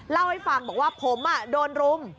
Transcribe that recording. เล่าให้ฟังบอกว่าผมโดนรุม